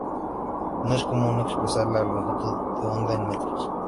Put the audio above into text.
No es común expresar la longitud de onda en metros.